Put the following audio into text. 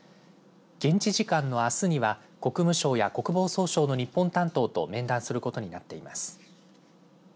現地時間のあすには国務省や国防総省の日本担当と面談することになっています。